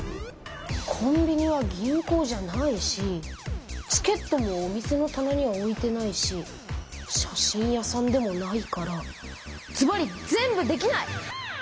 コンビニは銀行じゃないしチケットもお店のたなには置いてないし写真屋さんでもないからずばり全部できない！